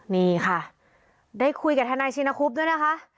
นี่ค่ะได้คุยกับทนายชินคุบด้วยนะคะ